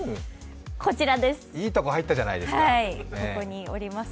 いいとこ入ったじゃないですか？